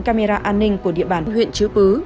camera an ninh của địa bàn huyện chứa pứ